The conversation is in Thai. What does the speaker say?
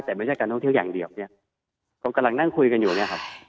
แต่ไม่ใช่การท่องเที่ยวอย่างเดียวเนี่ยเขากำลังนั่งคุยกันอยู่เนี่ยครับ